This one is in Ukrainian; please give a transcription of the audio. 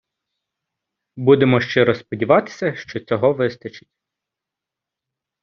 Будемо щиро сподіватися, що цього вистачить.